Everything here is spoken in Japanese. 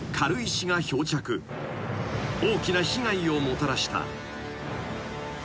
［大きな被害をもたらした］